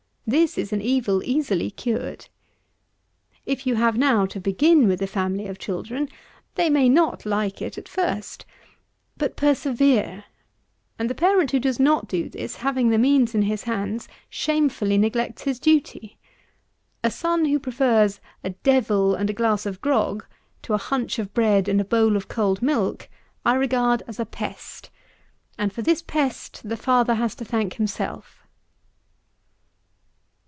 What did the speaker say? This is an evil easily cured. If you have now to begin with a family of children, they may not like it at first. But persevere; and the parent who does not do this, having the means in his hands, shamefully neglects his duty. A son who prefers a "devil" and a glass of grog to a hunch of bread and a bowl of cold milk, I regard as a pest; and for this pest the father has to thank himself.